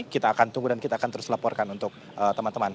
kita akan tunggu dan kita akan terus laporkan untuk teman teman